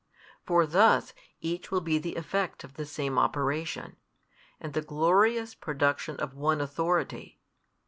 For thus each will be the effect of the same Operation, and the glorious production of one Authority.